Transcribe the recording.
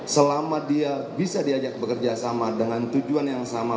selama dia bisa diajak bekerja sama dengan tujuan yang sama